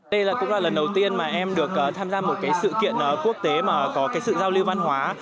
đây cũng là lần đầu tiên mà em được tham gia một cái sự kiện quốc tế mà có cái sự giao lưu văn hóa